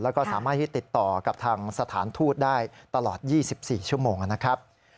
แล้วก็สามารถที่ติดต่อกับทางสถานทูตได้ตลอด๒๔ชั่วโมงนะครับ